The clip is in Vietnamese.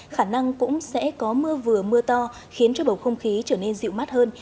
khả năng cũng sẽ có mưa vừa mưa to khiến cho bầu không khí trở nên dịu mát hơn